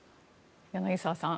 柳澤さん